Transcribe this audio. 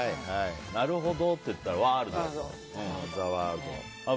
なるほどって言ったらワールドで「ザ・ワールド」。